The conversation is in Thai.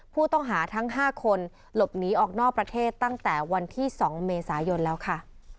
ผู้ต้องหาทั้ง๕คนหลบหนีออกนอกประเทศตั้งแต่วันที่๒เมษายนแล้วค่ะ